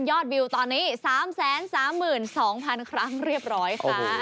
วิวตอนนี้๓๓๒๐๐๐ครั้งเรียบร้อยค่ะ